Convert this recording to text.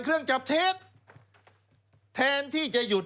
เครื่องจับเทศ